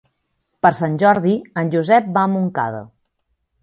Per Sant Jordi en Josep va a Montcada.